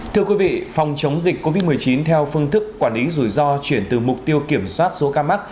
thưa quý vị phòng chống dịch covid một mươi chín theo phương thức quản lý rủi ro chuyển từ mục tiêu kiểm soát số ca mắc